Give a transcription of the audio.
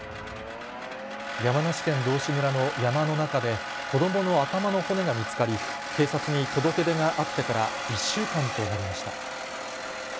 山梨県道志村の山の中で、子どもの頭の骨が見つかり、警察に届け出があってから、１週間となりました。